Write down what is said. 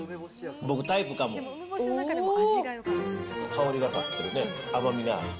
香りが立ってるね、甘みがあって。